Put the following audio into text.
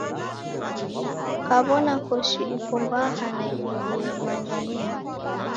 Kaw'ona koshi iko mbaha na ibirie manya ni yapo.